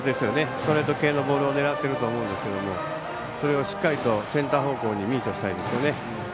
ストレート系のボールを狙っていると思うんですけどそれをしっかりとセンター方向にミートしたいですよね。